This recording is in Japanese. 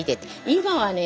今はね